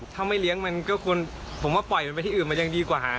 ถ้าไม่เลี้ยงมันก็ควรผมว่าปล่อยมันไปที่อื่นมันยังดีกว่าหา